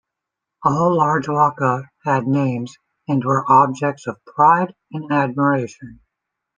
All large waka had names and were objects of pride and admiration.